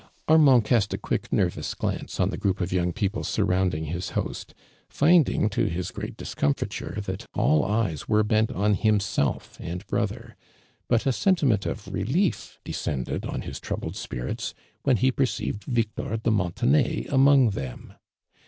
Armand cast a quick, nervous glance on the group of young people surrounding his host, finding to his great discomfiture that all eyes were bent on himself and brother; but a sentiment of relief descended on his troubled spirits when he perceived Victor «le Montenay among them.